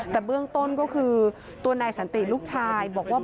แต่เบื้องต้นก็คือตัวนายสันติลูกชายบอกว่า